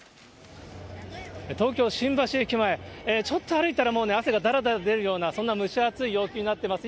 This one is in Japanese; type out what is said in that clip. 東京・新橋駅前、ちょっと歩いたら、もう汗がだらだら出るような、そんな蒸し暑い陽気になっています。